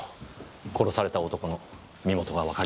殺された男の身元がわかりましたよ。